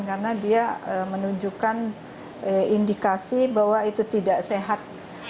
karena dia menunjukkan indikasi bahwa itu tidak sehat